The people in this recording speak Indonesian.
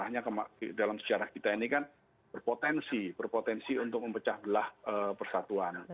nah ini kan memang dalam sejarah kita ini kan berpotensi untuk mempecah belah persatuan